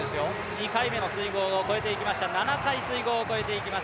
２回目の水濠を越えていきました、７回水濠を越えていきます。